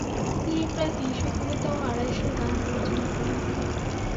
তিনি প্রায় তিনশ'কবিতা এবং আড়াইশ'গান রচনা করেন ।